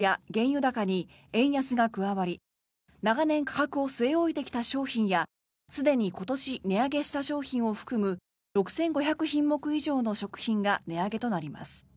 原材料価格の高騰や原油高に円安が加わり長年価格を据え置いてきた商品やすでに今年値上げした商品を含む６５００品目以上の食品が値上げとなります。